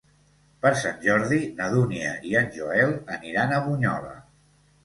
Per Sant Jordi na Dúnia i en Joel aniran a Bunyola.